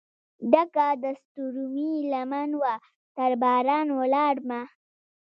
ډکه دستورومې لمن وه ترباران ولاړ مه